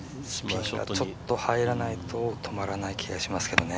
ちょっと入らないと止まらない気がしますけどね。